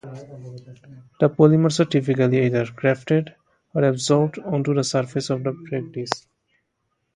The polymers are typically either grafted or adsorbed onto the surface of the particle.